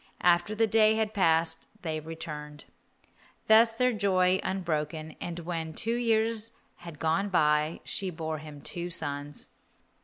After the day had passed they returned. Thus was their joy unbroken, and when two years had gone by she bore him two sons.